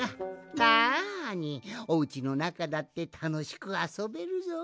なにおうちのなかだってたのしくあそべるぞい。